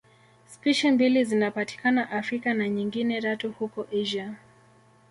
Spishi mbili zinapatikana Afrika na nyingine tatu huko Asia.